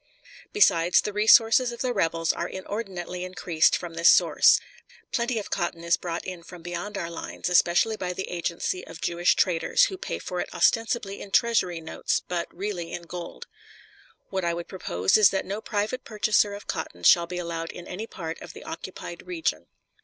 Besides, the resources of the rebels are inordinately increased from this source. Plenty of cotton is brought in from beyond our lines, especially by the agency of Jewish traders, who pay for it ostensibly in Treasury notes, but really in gold. What I would propose is that no private purchaser of cotton shall be allowed in any part of the occupied region.